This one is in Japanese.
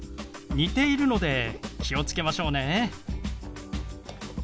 似ているので気を付けましょうね。